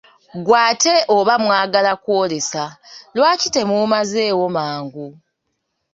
Ggwe ate oba mwagala kw'olesa, lwaki temumazeewo mangu?